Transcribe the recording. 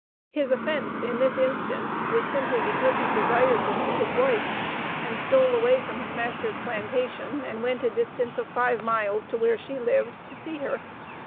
His offence, in this instance, was simply because he desired to see his wife, and "stole" away from his master's plantation and went a distance of five miles, to where she lived, to see her.